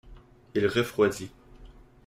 Il refroidit.